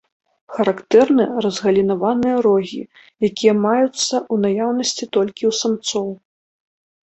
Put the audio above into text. Характэрны разгалінаваныя рогі, якія маюцца ў наяўнасці толькі ў самцоў.